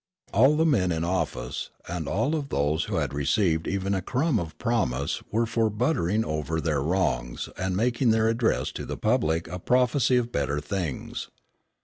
All the men in office, and all of those who had received even a crumb of promise were for buttering over their wrongs, and making their address to the public a prophecy of better things.